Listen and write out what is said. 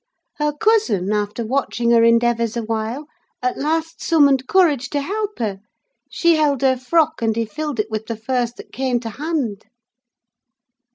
Her cousin, after watching her endeavours a while, at last summoned courage to help her; she held her frock, and he filled it with the first that came to hand.